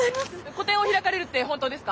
個展を開かれるって本当ですか？